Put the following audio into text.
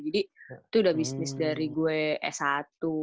jadi itu udah bisnis dari gue s satu gitu